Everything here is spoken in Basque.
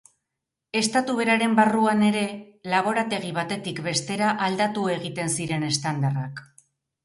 Estatu beraren barruan ere, laborategi batetik bestera aldatu egiten ziren estandarrak.